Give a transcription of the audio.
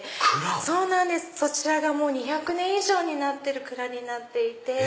そちらが２００年以上になってる蔵になっていて。